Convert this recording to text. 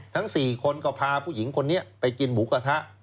ทั้ง๔คนก็พาผู้หญิงคนนี้ไปกินหมูกระทะ